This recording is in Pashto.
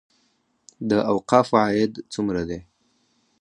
د اوقافو عاید څومره دی؟